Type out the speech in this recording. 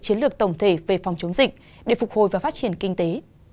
chiến lược tổng thể về phòng chống dịch để phục hồi và phát triển kinh tế